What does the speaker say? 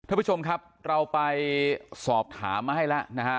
ท่านผู้ชมครับเราไปสอบถามมาให้แล้วนะฮะ